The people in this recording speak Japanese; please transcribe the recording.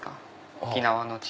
沖縄のち